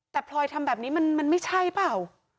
แต่พลอยทำแบบนี้มันไม่ใช่เปล่า